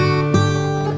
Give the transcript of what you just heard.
terima kasih ya mas